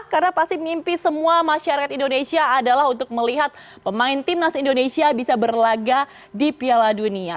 karena pasti mimpi semua masyarakat indonesia adalah untuk melihat pemain timnas indonesia bisa berlaga di piala dunia